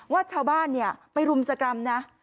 ว่าชาวบ้านไปรุมสกรรมนะ